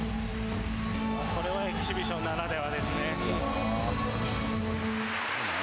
これはエキシビションならではですね。